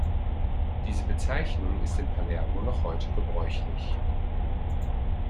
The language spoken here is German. Diese Bezeichnung ist in Palermo noch heute gebräuchlich.